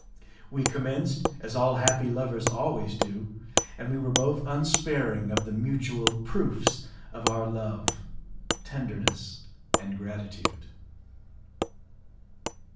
We commenced as all happy lovers always do, and we were both unsparing of the mutual proofs of our love, tenderness, and gratitude.